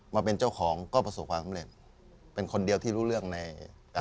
มาเป็นเจ้าของก็ประสบความสำเร็จเป็นคนเดียวที่รู้เรื่องในอ่า